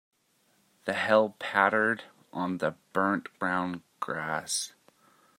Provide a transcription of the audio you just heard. The hail pattered on the burnt brown grass.